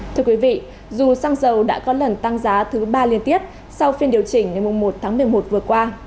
thưa quý vị dù xăng dầu đã có lần tăng giá thứ ba liên tiếp sau phiên điều chỉnh ngày một tháng một mươi một vừa qua